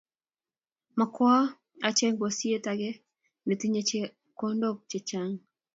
Makwoo acheng bosihet ake netinye cheokondok che chang